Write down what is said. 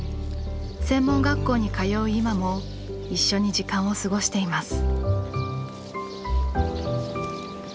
専門学校に通う今も一緒に時間を過ごしています。